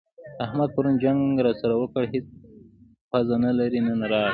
احمد پرون جنګ راسره وکړ؛ هيڅ پزه نه لري - نن راغی.